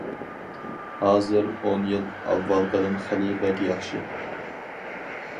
ھازىر ئون يىل ئاۋۋالقىدىن خىلى بەك ياخشى!